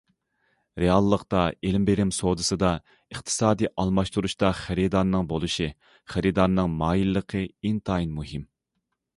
رېئاللىقتا، ئىلىم- بېرىم سودىسىدا، ئىقتىسادىي ئالماشتۇرۇشتا خېرىدارنىڭ بولۇشى، خېرىدارنىڭ مايىللىقى ئىنتايىن مۇھىم.